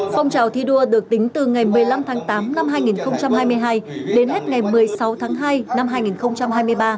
phong trào thi đua được tính từ ngày một mươi năm tháng tám năm hai nghìn hai mươi hai đến hết ngày một mươi sáu tháng hai năm hai nghìn hai mươi ba